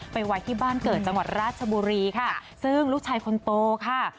ไว้ที่บ้านเกิดจังหวัดราชบุรีค่ะซึ่งลูกชายคนโตค่ะ